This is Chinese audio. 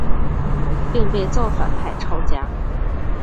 并被造反派抄家。